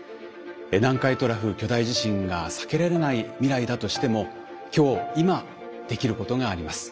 南海トラフ巨大地震が避けられない未来だとしても今日今できることがあります。